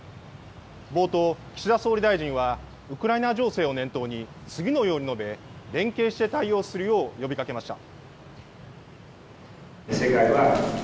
冒頭、岸田総理大臣はウクライナ情勢を念頭に次のように述べ、連携して対応するよう呼びかけました。